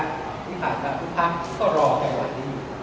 ที่ผ่านให้ทุกครั้งก็รอไกลวันนี้